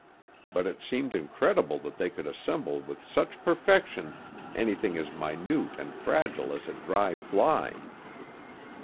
But it seemed incredible that they could assemble with such perfection anything as minute and fragile as a dry fly.